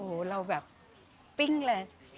โอ้โหเราแบบปิ้งเลย